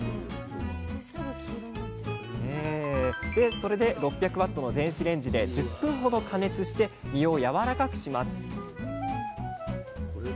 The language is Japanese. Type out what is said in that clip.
それで６００Ｗの電子レンジで１０分ほど加熱して実をやわらかくします